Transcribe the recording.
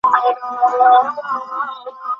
তোমার সাথে ঘোরা মিস করি।